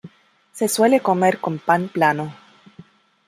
Se suele comer con pan plano.